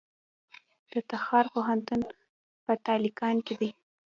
د تخار پوهنتون په تالقان کې دی